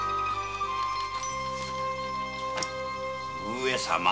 上様